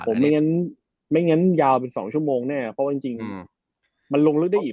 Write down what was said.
ผมไม่งั้นไม่งั้นยาวเป็น๒ชั่วโมงแน่เพราะว่าจริงมันลงลึกได้อีก